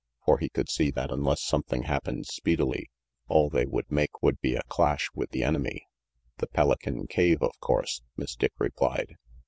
For he could see that unless something happened speedily, all they would make would be a clash with the enemy. "The Pelican cave, of course," Miss Dick replied.